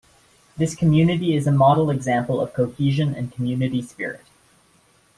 This community is a model example of cohesion and community spirit.